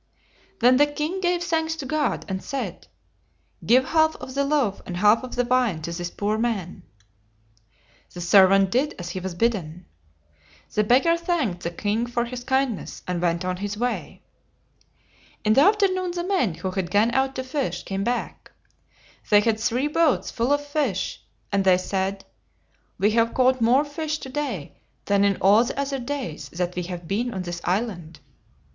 Then the king gave thanks to God, and said, "Give half of the loaf and half of the wine to this poor man." The servant did as he was bidden. The beggar thanked the king for his kindness, and went on his way. In the after noon the men who had gone out to fish came back. They had three boats full of fish, and they said, "We have caught more fish to day than in all the other days that we have been on this island."